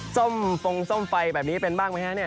ส้มฟงส้มไฟแบบนี้เป็นบ้างไหมฮะเนี่ย